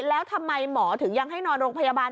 แล้วทำไมหมอถึงยังให้นอนโรงพยาบาล